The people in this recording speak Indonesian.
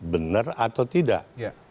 benar atau tidak